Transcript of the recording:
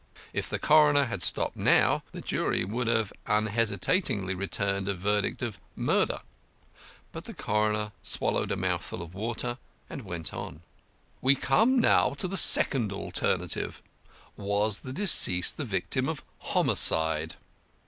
If the coroner had stopped now, the jury would have unhesitatingly returned a verdict of "murder." But the coroner swallowed a mouthful of water and went on: "We now come to the second alternative was the deceased the victim of homicide?